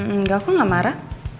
enggak aku gak marah